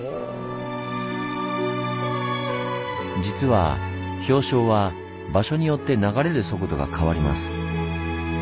実は氷床は場所によって流れる速度が変わります。